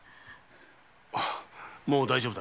もう大丈夫だ。